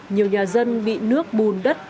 nhiều nhà dân bị nước bùn đất